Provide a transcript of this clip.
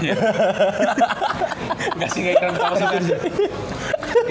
nggak sih nggak iklan pertama sampai akhir